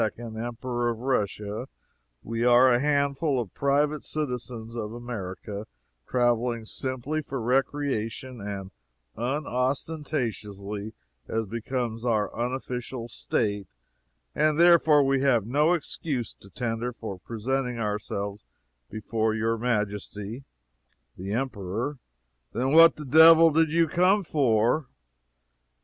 Emperor of Russia: "We are a handful of private citizens of America, traveling simply for recreation, and unostentatiously, as becomes our unofficial state and therefore, we have no excuse to tender for presenting ourselves before your Majesty " The Emperor "Then what the devil did you come for?"